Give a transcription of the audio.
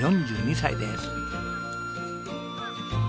４２歳です。